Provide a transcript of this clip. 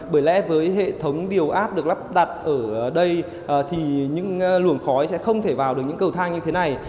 bởi lẽ với hệ thống điều áp được lắp đặt ở đây thì những luồng khói sẽ không thể vào được những cầu thang như thế này